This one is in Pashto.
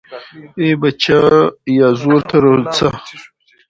ای بچای، یازور ته روڅه